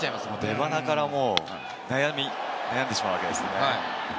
出鼻から悩んでしまうわけですね。